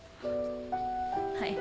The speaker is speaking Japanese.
はい。